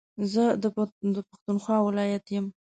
زه دا پښتونخوا ولايت يم